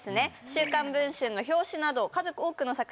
「週刊文春」の表紙など数多くの作品を手がけた